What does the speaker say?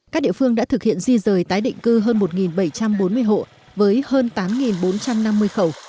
các địa phương đã thực hiện di rời tái định cư hơn một bảy trăm bốn mươi hộ với hơn tám bốn trăm năm mươi khẩu